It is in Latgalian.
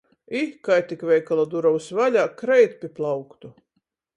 I, kai tik veikala durovys vaļā, kreit pi plauktu.